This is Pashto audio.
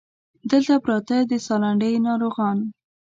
دلته پراته د سالنډۍ ناروغان